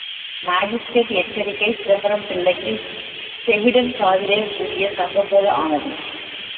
Magistrate எச்சரிக்கை சிதம்பரம் பிள்ளைக்கு செவிடன் காதிலே ஊதிய சங்கு போல ஆனது.